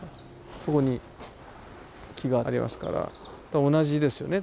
そこに木がありますから同じですよね。